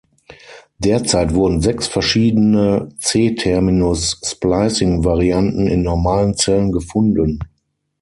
Derzeit wurden sechs verschiedene C-Terminus-Splicing-Varianten in normalen Zellen gefunden.